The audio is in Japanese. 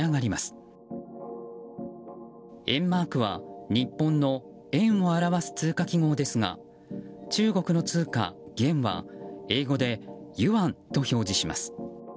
￥マークは日本の円を表す通貨記号ですが中国の通貨・元は英語でユアンと表示します。